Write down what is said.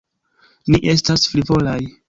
Ni estas frivolaj.